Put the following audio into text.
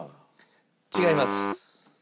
違います。